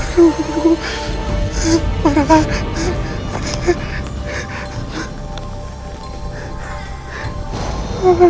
suara apa itu